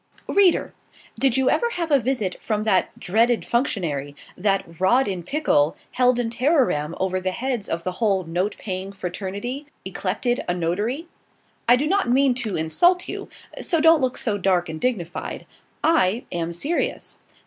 READER! did you ever have a visit from that dreaded functionary that rod in pickle, held in terrorem over the heads of the whole note paying fraternity, yclepted a notary? I do not mean to insult you: so don't look so dark and dignified. I am serious.